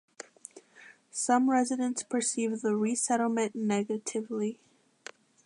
Some residents perceived the resettlement negatively.